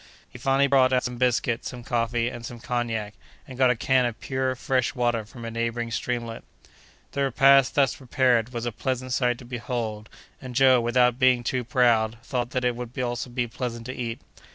He finally brought out some biscuit, some coffee, and some cognac, and got a can of pure, fresh water from a neighboring streamlet. The repast thus prepared was a pleasant sight to behold, and Joe, without being too proud, thought that it would also be pleasant to eat.